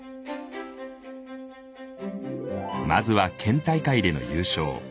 まずは県大会での優勝。